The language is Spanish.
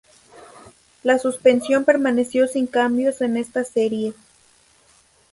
La suspensión permaneció sin cambios en esta serie.